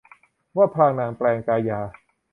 ว่าพลางนางแปลงกายา